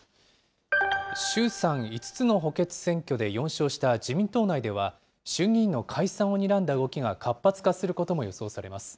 衆参５つの補欠選挙で４勝した自民党内では、衆議院の解散をにらんだ動きが活発化することも予想されます。